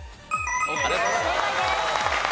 正解です。